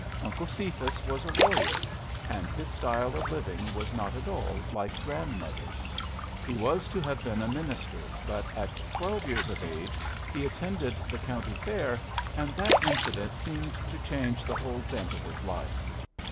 Uncle Cephas was a lawyer, and his style of living was not at all like grandmother's; he was to have been a minister, but at twelve years of age he attended the county fair, and that incident seemed to change the whole bent of his life.